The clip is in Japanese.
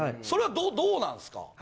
それはどうなんすか？